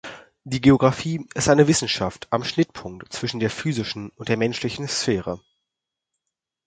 Die Geographie ist eine Wissenschaft am Schnittpunkt zwischen der physischen und der menschlichen Sphäre.